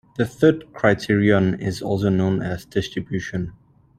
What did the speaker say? The third criterion is also known as "distribution".